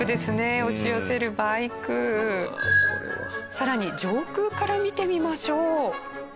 さらに上空から見てみましょう。